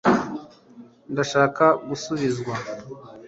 ndashaka gusubizwa